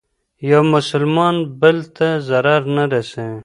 يو مسلمان بل ته ضرر نه رسوي.